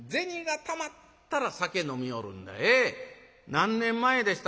何年前でしたかな